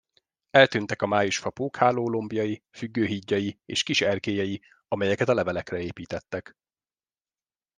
Eltűntek a májusfa pókhálólombjai, függőhídjai és kis erkélyei, amelyeket a levelekre építettek.